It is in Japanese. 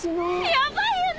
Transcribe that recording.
ヤバいよね。